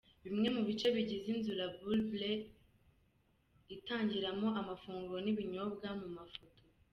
Bimwe mu bice bigize inzu "La Boule Bleue" itangiramo amafunguro n’ibinyobwa mu mafoto :.